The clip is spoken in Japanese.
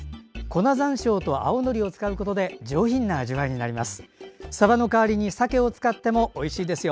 粉ざんしょうと青のりを使うことで上品な味わいになります。